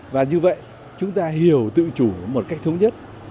và như vậy chúng ta hiểu tự chủ một cách thống nhất